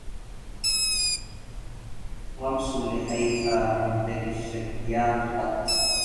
رمس لهيفا من بني الشدياق قد